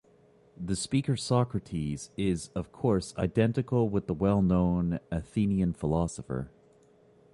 The speaker Socrates is, of course, identical with the well-known Athenian philosopher.